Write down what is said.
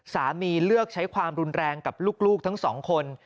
เลือกใช้ความรุนแรงกับลูกทั้งสองคน